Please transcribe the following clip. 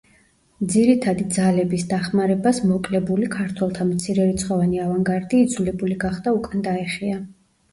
ძირითადი ძალების დახმარებას მოკლებული ქართველთა მცირერიცხოვანი ავანგარდი იძულებული გახდა უკან დაეხია.